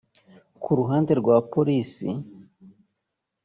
Ku ruhande rwa polisi